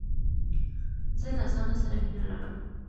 زه له ځانه سره مینه لرم.